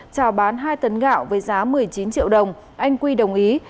trào bán hai tấn gạo với giá một mươi chín triệu đồng anh quy đồng ý